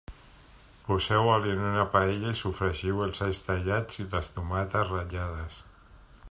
Poseu oli en una paella i sofregiu-hi els alls tallats i les tomates ratllades.